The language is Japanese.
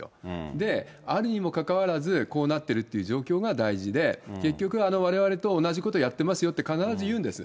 で、あるにもかかわらず、こうなってるって状況が大事で、結局われわれと同じことやってますよって必ず言うんです。